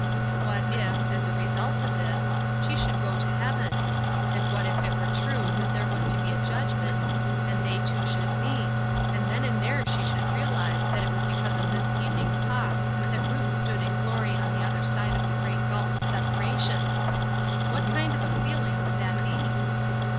What if, as a result of this, she should go to heaven! and what if it were true that there was to be a judgment, and they two should meet, and then and there she should realize that it was because of this evening's talk that Ruth stood in glory on the other side of the great gulf of separation! What kind of a feeling would that be?